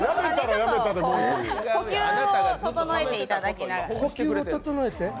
呼吸を整えていただきながら。